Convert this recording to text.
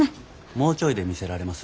もうちょいで見せられます。